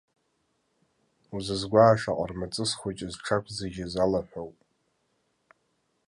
Узызгәааша аҟармаҵыс хәыҷы зҽақәзыжьыз алаҳәоуп.